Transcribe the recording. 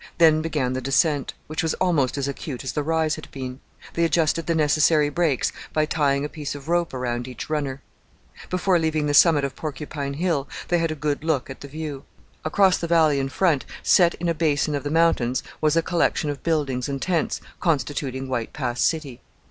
Then began the descent, which was almost as acute as the rise had been. They adjusted the necessary brakes by tying a piece of rope around each runner. Before leaving the summit of Porcupine Hill they had a good look at the view. Across the valley in front, set in a basin of the mountains, was a collection of buildings and tents, constituting White Pass City.